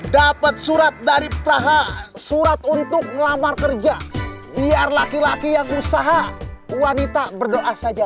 dapat surat dari praha surat untuk melamar kerja biar laki laki yang berusaha wanita berdoa saja